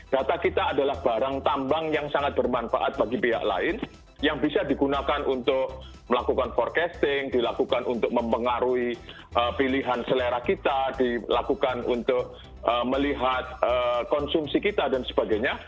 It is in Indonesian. data kita adalah barang tambang yang sangat bermanfaat bagi pihak lain yang bisa digunakan untuk melakukan forecasting dilakukan untuk mempengaruhi pilihan selera kita dilakukan untuk melihat konsumsi kita dan sebagainya